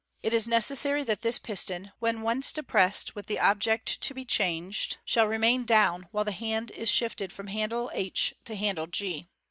It is necessary that this piston, when once depressed with the ooject to be changed, shall remain down while the hand is shifted from handle h to handle g.